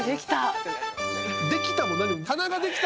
「できた！」も何も。